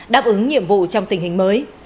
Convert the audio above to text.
đáp ứng nhiệm vụ trong tình hình mới